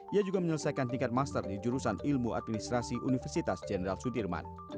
ia juga menyelesaikan tingkat master di jurusan ilmu administrasi universitas jenderal sudirman